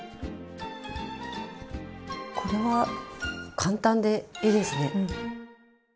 これは簡単でいいですね。